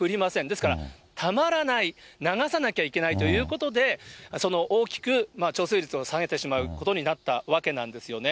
ですから、たまらない、流さなきゃいけないということで、大きく貯水率を下げてしまうことになったわけなんですよね。